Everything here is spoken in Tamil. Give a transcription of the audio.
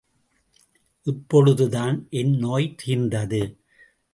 இப்பொழுதுதான் என் நோய் தீர்ந்தது.